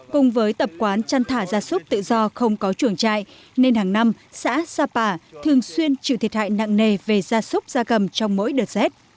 cùng với tập quán chăn thả ra súc tự do không có chuồng trại nên hàng năm xã sapa thường xuyên chịu thiệt hại nặng nề về gia súc gia cầm trong mỗi đợt rét